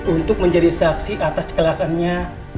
untuk menjadi saksi atas kecelakaannya